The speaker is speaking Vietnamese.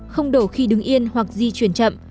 không đổ khi đứng yên hoặc di chuyển chậm